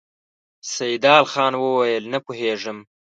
سيدال خان وويل: نه پوهېږم!